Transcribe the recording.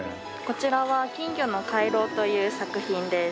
こちらは金魚の回廊という作品です。